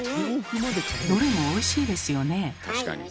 どれもおいしいですよね。